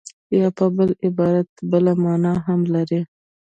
یا په بل عبارت بله مانا هم لري